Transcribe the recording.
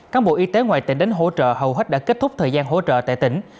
các bộ y tế ngoài tỉnh đến hỗ trợ hầu hết đã kết thúc thời gian hỗ trợ tại tỉnh